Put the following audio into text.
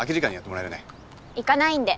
行かないんで。